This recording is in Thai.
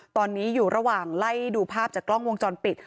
ตอนนี้อยู่ระหว่างไล่ดูภาพจากกล้องวงจรปิด